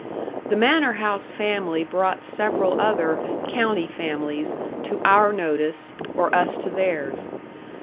The manor house family brought several other "county families" to our notice, or us to theirs.